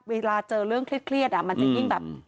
เวลาเจอเรื่องเครียดมันจะยิ่งแบบ